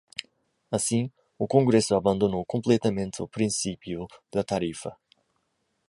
Assim, o congresso abandonou completamente o princípio da tarifa.